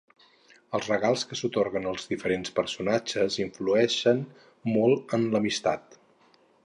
Els regals que s'atorguen als diferents personatges influeixen molt en l'amistat.